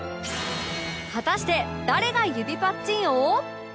果たして誰が指パッチン王？